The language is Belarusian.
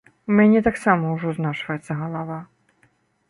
У мяне таксама ўжо знашваецца галава.